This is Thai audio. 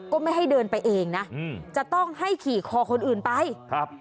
ไม่ให้เดินไปเองนะอืมจะต้องให้ขี่คอคนอื่นไปครับ